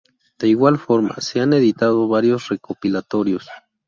De igual forma, se han editado varios recopilatorios.